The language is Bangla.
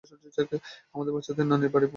আমাদের বাচ্চাদের নানির বাড়িও ভোপালের কাছাকাছি।